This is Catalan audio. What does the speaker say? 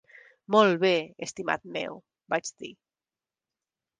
"Molt bé, estimat meu", vaig dir.